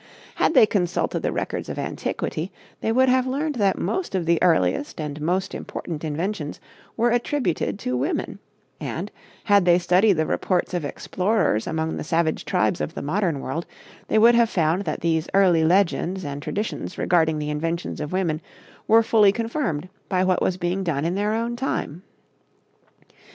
Had they consulted the records of antiquity, they would have learned that most of the earliest and most important inventions were attributed to women; and, had they studied the reports of explorers among the savage tribes of the modern world, they would have found that these early legends and traditions regarding the inventions of women were fully confirmed by what was being done in their own time.